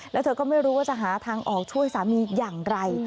แล้วเธอก็ไม่รู้ว่าจะหาทางออกช่วยสามีอย่างไร